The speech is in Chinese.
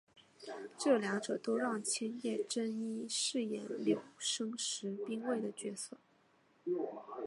这两者都让千叶真一饰演柳生十兵卫的角色。